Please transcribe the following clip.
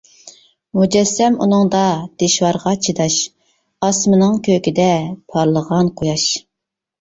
مۇجەسسەم ئۇنىڭدا دىشۋارغا چىداش، ئاسمىنىڭ كۆكىدە پارلىغان قۇياش.